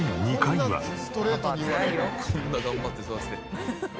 こんな頑張って育てて。